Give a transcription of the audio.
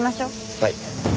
はい。